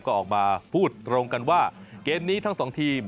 ก็ออกมาพูดตรงกันว่าเกมนี้ทั้งสองทีม